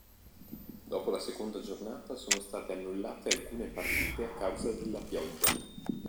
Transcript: Dopo la seconda giornata sono state annullate alcune partite a causa della pioggia.